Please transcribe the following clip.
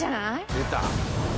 「出た！」